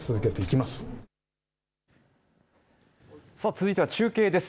続いては中継です。